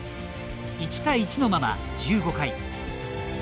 １対１のまま１５回。